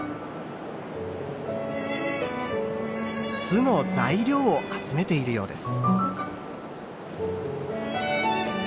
巣の材料を集めているようです。